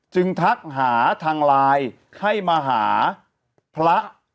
ทักหาทางไลน์ให้มาหาพระ